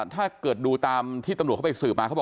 ถ้าเกิดดูตามที่ตำรวจเขาสื่อมา